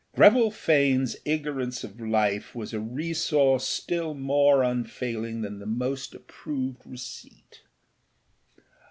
Greville Faneâs ignorance of life was a resource still more unfailing than the most approved receipt.